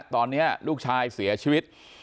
ตอนนี้ลูกชายเสียชีวิต